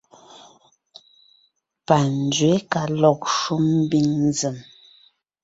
Panzwě ka lɔg shúm ḿbiŋ nzèm.